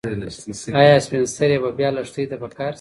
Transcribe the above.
ایا سپین سرې به بیا لښتې ته په قهر شي؟